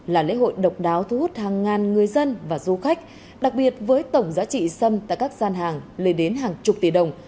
là lễ hội độc đáo thu hút hàng ngàn người dân và du khách đặc biệt với tổng giá trị sâm tại các gian hàng lên đến hàng chục tỷ đồng